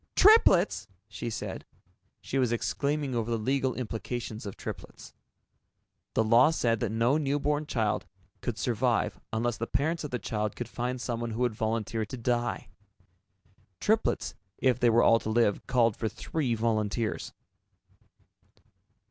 "Triplets!" she said. She was exclaiming over the legal implications of triplets. The law said that no newborn child could survive unless the parents of the child could find someone who would volunteer to die. Triplets, if they were all to live, called for three volunteers.